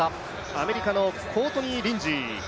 アメリカのコートニー・リンジー。